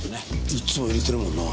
いっつも入れてるもんな。